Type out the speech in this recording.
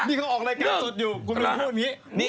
นี่เขาออกรายการจดอยู่คุณไม่ได้พูดแบบนี้